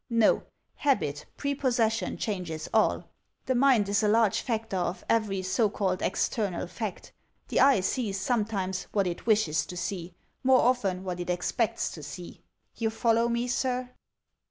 No; habit, prepossession changes all. The mind is a large factor of every so csdled external fact. The eye sees, sometimes, what it wishes to. see, more often what it expects to see. You follow me, sir?"